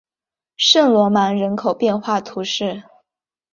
圣罗芒人口变化图示